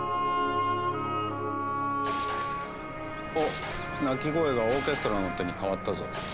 おっ鳴き声がオーケストラの音に変わったぞ。